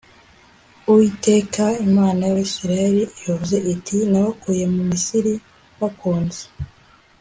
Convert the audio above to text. Uwiteka Imana y’Abisirayeli ivuze iti Nabakuye mu Misiri mbakunze